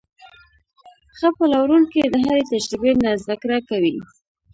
ښه پلورونکی د هرې تجربې نه زده کړه کوي.